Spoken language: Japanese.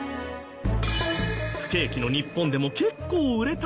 不景気の日本でも結構売れたんだそう。